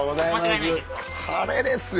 これですよ。